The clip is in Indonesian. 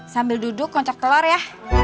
sambil duduk ngocok telor ya